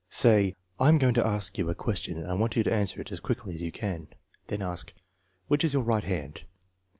Say: " I am going to ask you a question and I want you to answer it as quickly as you can." Then ask: " Which is your right hand?